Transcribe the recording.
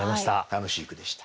楽しい句でした。